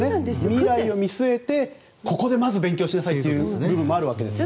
未来を見据えて、ここでまず勉強してくださいという部分もあるわけですよね。